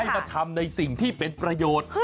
มาทำในสิ่งที่เป็นประโยชน์